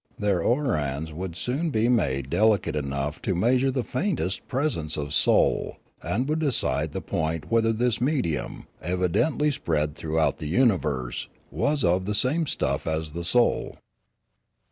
Their ooarans would soon be made delicate enough to measure the faintest presence of soul, and would decide the point whether this medium, evidently spread throughout the universe, was of the same stuff as the soul.